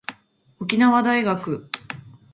沖縄大学